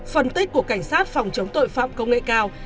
phân tích của cảnh sát phòng chống tội phạm công an